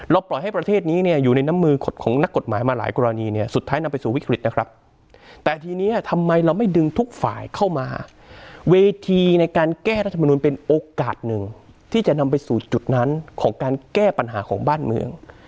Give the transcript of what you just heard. ปล่อยให้ประเทศนี้เนี่ยอยู่ในน้ำมือของนักกฎหมายมาหลายกรณีเนี่ยสุดท้ายนำไปสู่วิกฤตนะครับแต่ทีนี้ทำไมเราไม่ดึงทุกฝ่ายเข้ามาเวทีในการแก้รัฐมนุนเป็นโอกาสหนึ่งที่จะนำไปสู่จุดนั้นของการแก้ปัญหาของบ้านเมือง